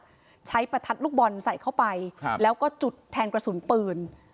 น่าท่ามจับใช้ปะทัดลูกบอนใส่เข้าไปแล้วก็จุดแทนกระสุนปืน